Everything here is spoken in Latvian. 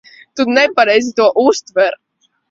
Tu nepareizi to uztver.